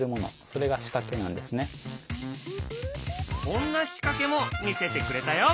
こんな仕掛けも見せてくれたよ。